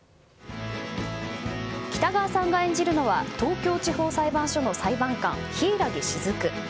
北川さんが演じるのは東京地方裁判所の裁判官柊木雫。